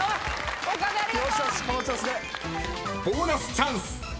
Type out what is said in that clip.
［ボーナスチャンス！］